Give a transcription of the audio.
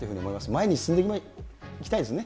前に進んでいきたいですね。